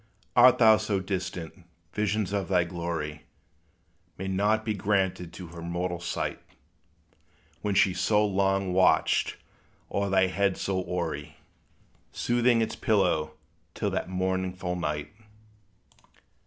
Art thou so distant, visions of thy glory May not be granted to her mortal sight; When she so long watched o'er thy head so hoary, Smoothing its pillow, till that mournful night?